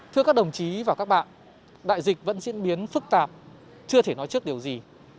thưa các đồng chí và các bạn đại dịch vẫn diễn biến phức tạp chưa thể nói trước điều gì